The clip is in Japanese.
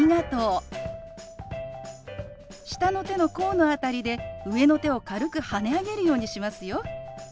下の手の甲の辺りで上の手を軽くはね上げるようにしますよ。